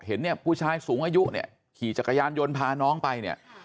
เห็นผู้ชายสูงอายุขี่จักรยานยนต์พาน้องไป